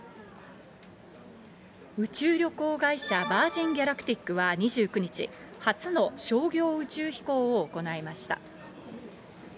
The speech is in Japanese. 宇宙旅行会社、ヴァージン・ギャラクティックは、２９日、初の商業宇宙飛行を行いました。